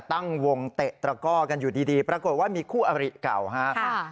ตั้งวงเตะตระก้อกันอยู่ดีปรากฏว่ามีคู่อริเก่าฮะ